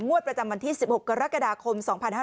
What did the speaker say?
ประจำวันที่๑๖กรกฎาคม๒๕๕๙